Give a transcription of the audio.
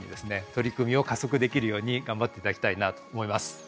取り組みを加速できるように頑張っていただきたいなと思います。